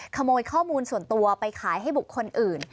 ขโมยข้อมูลส่วนตัวไปขายให้บุคคลอื่น